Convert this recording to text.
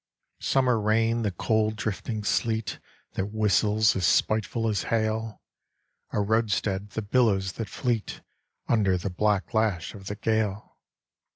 Summer rain, the cold drifting sleet That whistles as spiteful as hail! A roadstead, the billows that fleet Under the black lash of the gale!